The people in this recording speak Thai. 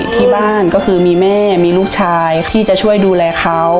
ที่บ้านก็คือมีแม่มีลูกชายที่จะช่วยดูแลเขา